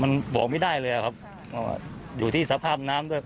มันบอกไม่ได้เลยครับอยู่ที่สภาพน้ำด้วย